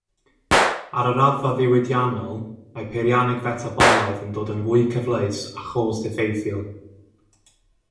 Ar y raddfa ddiwydiannol, mae peirianneg fetabolaidd yn dod yn fwy cyfleus a chost-effeithiol.